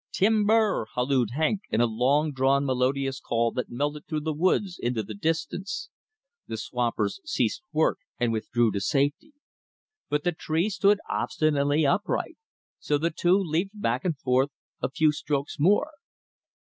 "Timber!" hallooed Hank in a long drawn melodious call that melted through the woods into the distance. The swampers ceased work and withdrew to safety. But the tree stood obstinately upright. So the saw leaped back and forth a few strokes more.